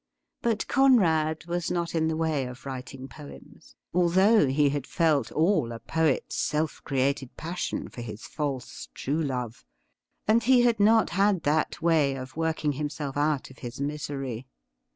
But Conrad was not in the way of writing poems, although he had felt all a poet's self created passion for his false. true 18 THE RIDDLE RING love, and he had not that way of working himself out of his misery.